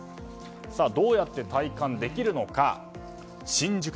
どうやって体感できるのか？